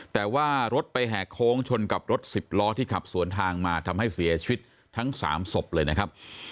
แต่ว่ารถไปแหกโค้งชนกับรถสิบล้อที่ขับสวนทางมาทำให้เสียชีวิตทั้ง๓ศพเลยนะครับ